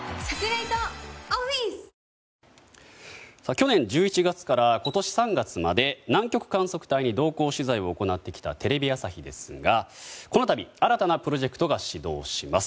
去年１１月から今年３月まで南極観測隊に同行取材を行ってきたテレビ朝日ですがこの度、新たなプロジェクトが指導します。